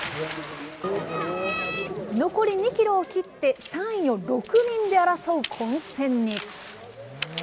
残り２キロを切って、３位を６人で争う混戦に。